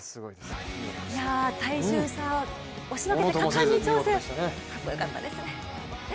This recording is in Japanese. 体重差を押しのけて果敢に挑戦、かっこよかったですね。